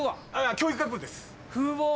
教育学部です。